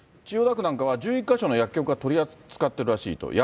千代田区なんかは、１１か所の薬局が取り扱ってるらしいと。